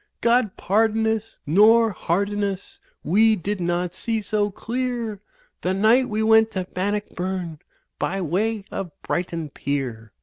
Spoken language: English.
God pardon us, nor harden us ; we did not see so clear The night we went to Bannockburn by way of Brighton Pier.